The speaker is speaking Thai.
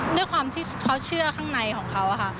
ด้วยความที่เขาเชื่อข้างในของเขาค่ะ